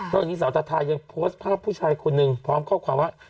ตอนนี้สาวทาทายังโพสต์ภาพผู้ชายคนนึงพร้อมข้อความว่า